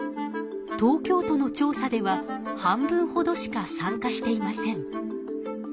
東京都の調査では半分ほどしか参加していません。